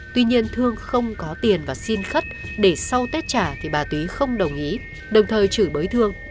tuy nhiên thương không có tiền và xin khất để sau tết trả thì bà túy không đồng ý đồng thời chửi bới thương